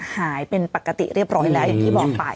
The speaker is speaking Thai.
หายเป็นปกติเรียบร้อยแล้วอย่างที่บอกไป